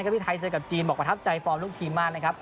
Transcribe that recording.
ที่ไทยเจอกับจีนบอกประทับใจฟอร์มลูกทีมมากนะครับ